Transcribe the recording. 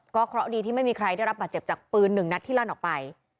เพราะดีที่ไม่มีใครได้รับบาดเจ็บจากปืนหนึ่งนัดที่ลั่นออกไป